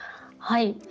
はい。